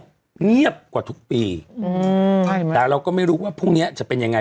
เงียบกว่าทุกปีอืมใช่ไหมแต่เราก็ไม่รู้ว่าพรุ่งเนี้ยจะเป็นยังไง